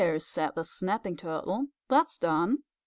said the Snapping Turtle. "That's done.